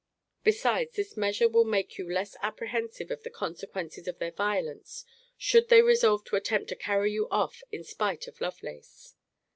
Besides, this measure will make you less apprehensive of the consequences of their violence, should they resolve to attempt to carry you of in spite of Lovelace.